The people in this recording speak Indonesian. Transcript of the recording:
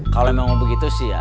kalau memang begitu sih ya